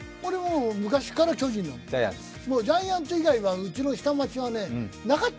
昔から巨人、ジャイアンツ以外は、うちの下町はなかった。